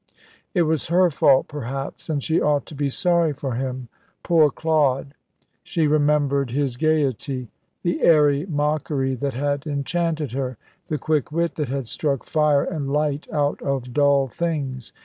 It was her fault, perhaps, and she ought to be sorry for him. Poor Claude! She remembered his gaiety. The airy mockery that had enchanted her, the quick wit that had struck fire and light out of dull things.